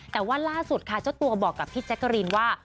แต่ว่าล่าสุดค่ะเจ้าตัวบอกกับพี่แจ๊กกะรีนว่า